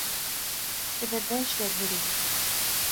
Себерҙә эшләп йөрөй бит.